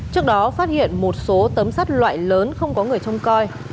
trước đó phát hiện một số tấm sắt loại lớn không có người trông coi